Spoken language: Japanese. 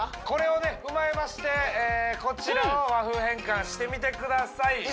これをね踏まえましてこちらを和風変換してみてください